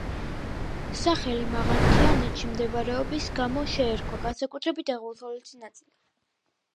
სახელი მაღალმთიანეთში მდებარეობის გამო შეერქვა, განსაკუთრებით აღმოსავლეთი ნაწილისა.